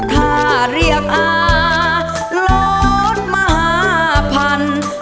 ถ้าเรียกอาโลธมหาพันธุ์